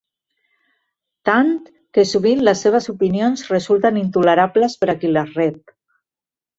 Tant, que sovint les seves opinions resulten intolerables per a qui les rep.